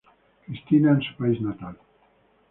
Cristina, en su país natal.